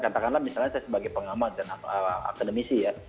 katakanlah misalnya saya sebagai pengamat dan akademisi ya